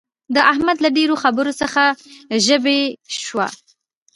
د احمد له ډېرو خبرو څخه ژبۍ شوه.